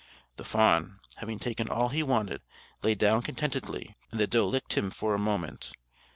The fawn, having taken all he wanted, lay down contentedly, and the doe licked him for a moment.